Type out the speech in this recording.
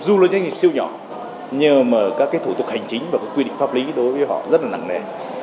dù là doanh nghiệp siêu nhỏ nhờ mà các cái thủ tục hành chính và quy định pháp lý đối với họ rất là nặng nề